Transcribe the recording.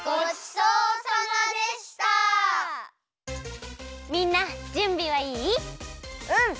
うん！